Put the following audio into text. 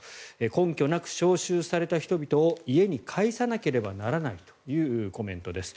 根拠なく招集された人々を家に帰さなければならないというコメントです。